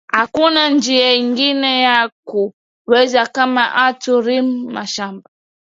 Akuna njia ingine yaku weza kama atu rime mashamba